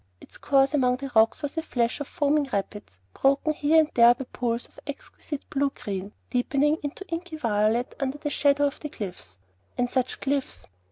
Its course among the rocks was a flash of foaming rapids, broken here and there by pools of exquisite blue green, deepening into inky violet under the shadow of the cliffs. And such cliffs!